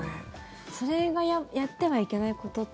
それがやってはいけないことって。